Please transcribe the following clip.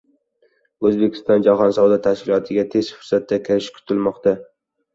O‘zbekiston Jahon savdo tashkilotiga tez fursatda kirishi kutilmoqda